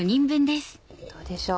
どうでしょう？